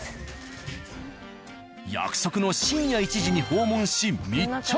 約束の深夜１時に訪問し密着！